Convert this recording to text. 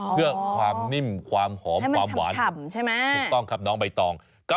เพื่อความนิ่มความหอมความหวานถูกต้องครับน้องใบตองอ๋อให้มันชำใช่ไหม